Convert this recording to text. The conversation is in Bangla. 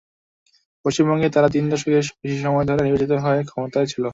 পশ্চিমবঙ্গে তারা তিন দশকের বেশি সময় ধরে নির্বাচিত হয়ে ক্ষমতায় ছিল।